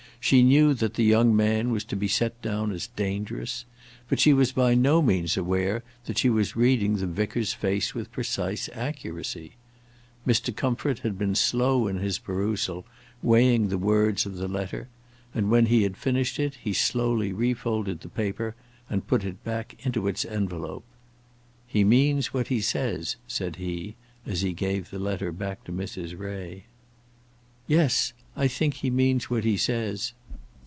She knew that the young man was to be set down as dangerous; but she was by no means aware that she was reading the vicar's face with precise accuracy. Mr. Comfort had been slow in his perusal, weighing the words of the letter; and when he had finished it he slowly refolded the paper and put it back into its envelope. "He means what he says," said he, as he gave the letter back to Mrs. Ray. "Yes; I think he means what he says."